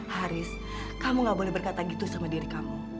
haris kamu gak boleh berkata gitu sama diri kamu